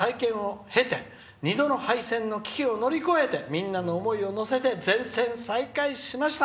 橋りょう工事や駅舎の再建を経て２度の廃線の危機を乗り越えてみんなの思いを乗せて前線再開しました」。